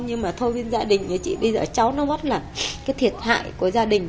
nhưng mà thôi bên gia đình với chị bây giờ cháu nó mất là cái thiệt hại của gia đình